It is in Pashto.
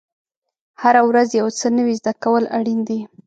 هره ورځ یو څه نوی زده کول اړین دي.